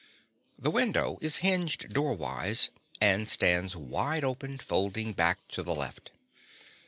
The window is hinged doorwise and stands wide open, folding back to the left.